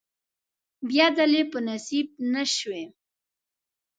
بیا ځلې په نصیب نشوې.